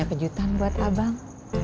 ini kejutan buat abang